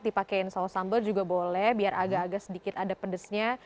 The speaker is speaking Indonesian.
dipakaiin saus sambal juga boleh biar agak agak sedikit ada pedesnya